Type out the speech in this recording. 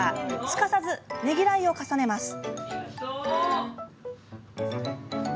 すかさず、ねぎらいを重ねます。